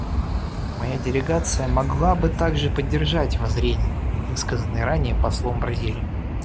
Моя делегация могла бы также поддержать воззрения, высказанные ранее послом Бразилии.